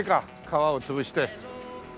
川を潰して。